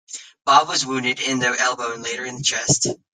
Bob was wounded in the elbow and later in the chest.